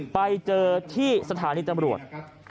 ไปเจอที่สถานีตำรวจ